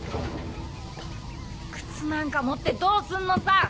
靴なんか持ってどうするのさ！